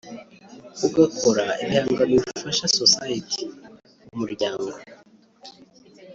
ugakora ibihangano bifasha society(umuryango)